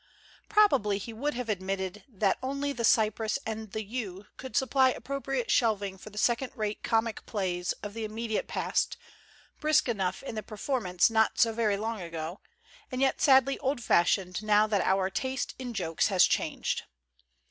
Probably he would have admitted that only the cypress and the yew could supply appropriate shelving for the second rate comic plays of the immediate past, brisk enough in the performance not so very long ago, and yet sadly old fashioned now that our taste in jokes has changed.